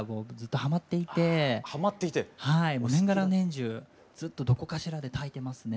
はい年がら年じゅうずっとどこかしらでたいてますね。